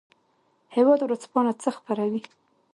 هیواد ورځپاڼه څه خپروي؟